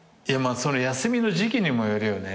休みの時期にもよるよね。